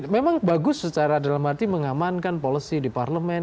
memang bagus secara dalam arti mengamankan polisi di parlemen